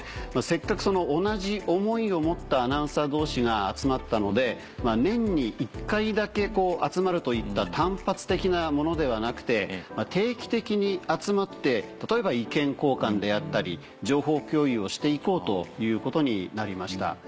せっかく同じ思いを持ったアナウンサー同士が集まったので年に１回だけ集まるといった単発的なものではなくて定期的に集まって例えば意見交換であったり情報共有をして行こうということになりました。